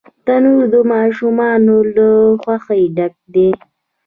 تنور د ماشومانو له خوښۍ ډک دی